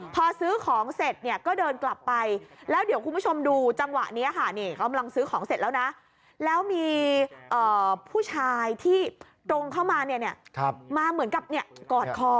พอซื้อของเสร็จเนี่ยก็เดินกลับไปแล้วเดี๋ยวคุณผู้ชมดูจังหวะนี้ค่ะนี่กำลังซื้อของเสร็จแล้วนะแล้วมีผู้ชายที่ตรงเข้ามาเนี่ยมาเหมือนกับกอดคอ